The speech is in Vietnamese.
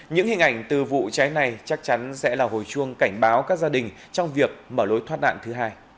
những hình ảnh từ vụ cháy này chắc chắn sẽ là hồi chuông cảnh báo các gia đình trong việc mở lối thoát nạn thứ hai